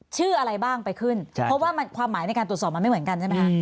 ชื่ออะไรบ้างไปขึ้นเพราะว่าความหมายในการตรวจสอบมันไม่เหมือนกันใช่ไหมคะ